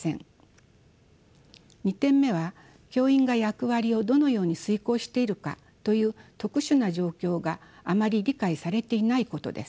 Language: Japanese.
２点目は教員が役割をどのように遂行しているかという特殊な状況があまり理解されていないことです。